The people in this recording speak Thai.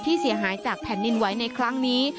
เสียหายจากแผ่นดินไหวในครั้งนี้